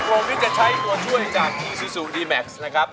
คงที่จะใช้ตัวช่วยจากอีซูซูดีแม็กซ์นะครับ